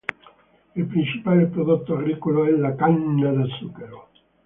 Il principale prodotto agricolo è la canna da zucchero.